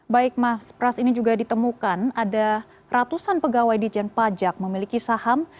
baik mas pras ini juga ditemukan ada ratusan pegawai dijen pajak memiliki saham